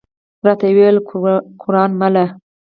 راته وې ویل: قران مله!